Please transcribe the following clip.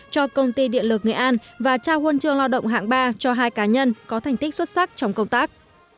cho công ty điện lực nghệ an và trao huân chương lao động hạng ba cho hai cá nhân có thành tích xuất sắc trong công tác